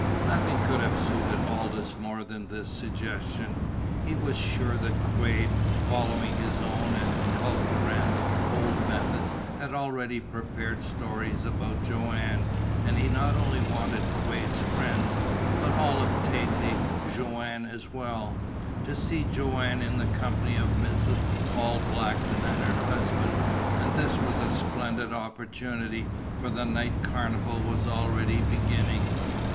Nothing could have suited Aldous more than this suggestion. He was sure that Quade, following his own and Culver Rann's old methods, had already prepared stories about Joanne, and he not only wanted Quade's friends but all of Tête Jaune as well to see Joanne in the company of Mrs. Paul Blackton and her husband. And this was a splendid opportunity, for the night carnival was already beginning.